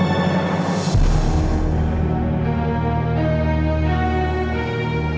kalau betul putri saya